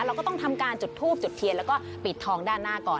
เราก็ต้องทำการจุดทูบจุดเทียนแล้วก็ปิดทองด้านหน้าก่อน